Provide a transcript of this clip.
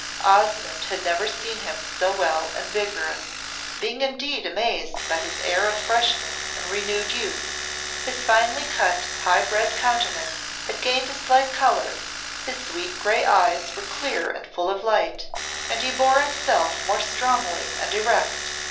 Osmonde had never seen him so well and vigorous, being indeed amazed by his air of freshness and renewed youth. His finely cut, high bred countenance had gained a slight colour, his sweet grey eyes were clear and full of light, and he bore himself more strongly and erect.